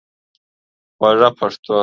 خوږه پښتو